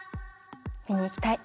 見に行きたい。